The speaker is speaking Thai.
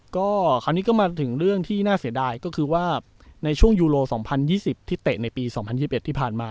ก็คราวนี้ก็มาถึงเรื่องที่น่าเสียดายก็คือว่าในช่วงยูโรสองพันยี่สิบที่เตะในปีสองพันยี่สิบเอ็ดที่ผ่านมา